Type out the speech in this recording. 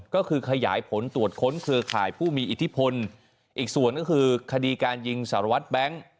ก็คือขยายผลตรวจค้นเครือข่ายผู้มีอิทธิพลอีกส่วนก็คือคดีการยิงสารวัตรแบงค์